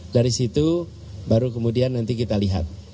dari situ baru kemudian nanti kita lihat